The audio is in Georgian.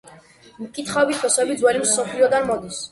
მკითხაობის ფესვები ძველი მსოფლიოდან მოდის.